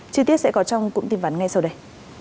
chi tiết sẽ có trong cụm tin vắn ngay sau đây